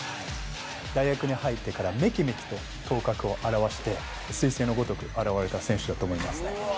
大学に入ってからめきめきと頭角を現してすい星のごとく現れた選手だと思いますね。